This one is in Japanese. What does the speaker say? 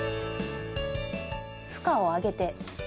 負荷を上げて。